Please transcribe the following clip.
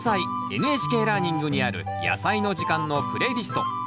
「ＮＨＫラーニング」にある「やさいの時間」のプレイリスト。